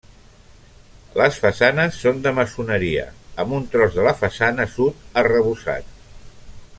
Les façanes són de maçoneria, amb un tros de la façana sud arrebossat.